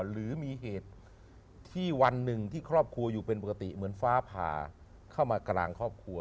หรือมีเหตุที่วันหนึ่งที่ครอบครัวอยู่เป็นปกติเหมือนฟ้าผ่าเข้ามากลางครอบครัว